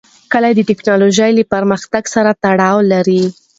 کلي د تکنالوژۍ له پرمختګ سره تړاو لري.